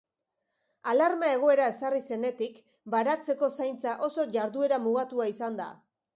Alarma-egoera ezarri zenetik, baratzeko zaintza oso jarduera mugatua izan da.